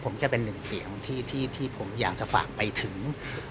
ผมแค่เป็นหนึ่งเสียงที่ผมอยากจะฝากไปถึง